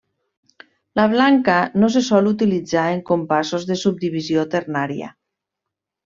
La blanca no se sol utilitzar en compassos de subdivisió ternària.